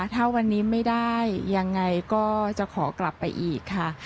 ถ้าวันนี้ไม่ได้ยังไงก็จะขอกลับไปอีกค่ะ